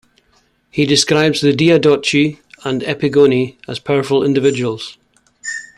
He describes the Diadochi and Epigoni as powerful individuals.